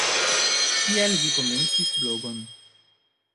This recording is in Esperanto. Kial vi komencis blogon?